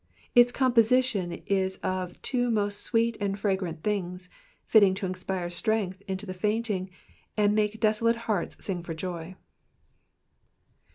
''^ Its composition is of two most sweet and fragrant things, fitted to inspire strength into the fainting, and make desolate hearts sing for joy.